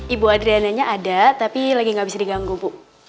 ibu adriananya ada tapi lagi nggak bisa diganggu bu